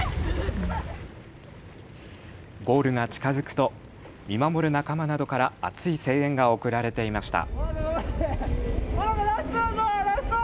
ゴールが近づくと、見守る仲間などから熱い声援が送られていました。